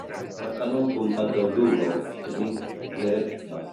Pertany al comtat de Dubrovnik-Neretva.